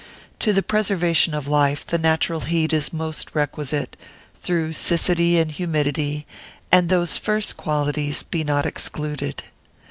To the preservation of life the natural heat is most requisite, though siccity and humidity, and those first qualities, be not excluded.